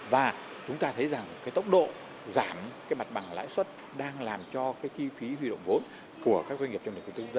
và chúng ta thấy rằng cái tốc độ giảm cái mặt bằng lãi xuất đang làm cho cái thi phí huy động vốn của các doanh nghiệp trong nền kinh tế